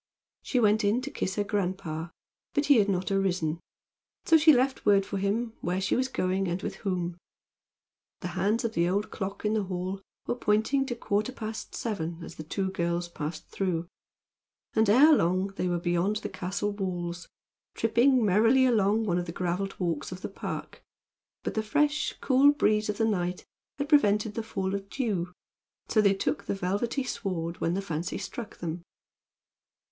She went in to kiss her grandpa, but he had not arisen; so she left word for him where she was going and with whom. The hands of the old clock in the hall were pointing to quarter past seven as the two girls passed through, and ere long they were beyond the castle walls, tripping merrily along one of the graveled walks of the park, but the fresh, cool breeze of night had prevented the fall of dew, so they took the velvety sward when the fancy struck them.